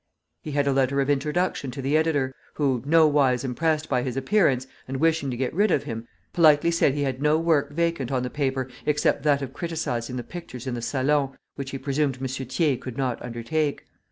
He had a letter of introduction to the editor, who, nowise impressed by his appearance, and wishing to get rid of him, politely said he had no work vacant on the paper except that of criticising the pictures in the Salon, which he presumed M. Thiers' could not undertake.